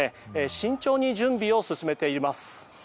慎重に準備を進めています。